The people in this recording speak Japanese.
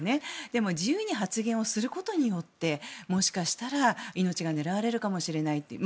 でも自由に発言をすることによってもしかしたら命が狙われるかもしれないという。